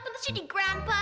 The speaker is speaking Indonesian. pantes jadi grandpa